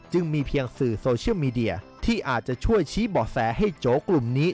มีเพียงสื่อโซเชียลมีเดียที่อาจจะช่วยชี้เบาะแสให้โจ๊กลุ่มนี้